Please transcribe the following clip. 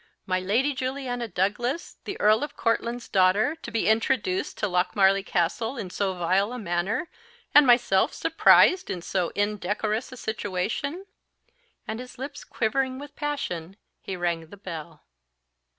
My Lady Juliana Douglas, the Earl of Courtland's daughter, to be introduced to Lochmarlie Castle in so vile a manner, and myself surprised in so indecorous a situation!" And, his lips quivering with passion, he rang the bell.